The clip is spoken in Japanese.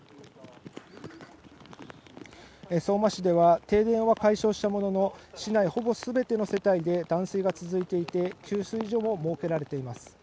相馬市では停電は解消したものの、市内のほぼすべての世帯で断水が続いていて、給水所も設けられています。